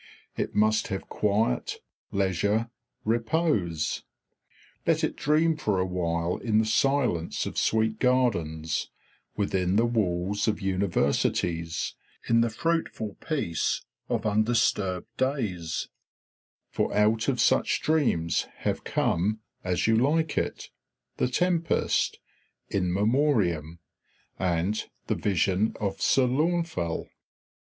It must have quiet, leisure, repose. Let it dream for a while in the silence of sweet gardens, within the walls of universities, in the fruitful peace of undisturbed days; for out of such dreams have come "As You Like It," "The Tempest," "In Memoriam," and "The Vision of Sir Launfal."